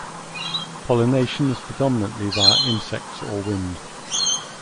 Pollination is predominately via insects or wind.